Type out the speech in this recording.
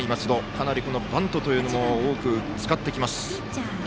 かなりバントも多く使ってきます。